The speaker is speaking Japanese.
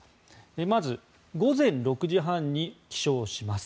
まず午前６時半に起床します。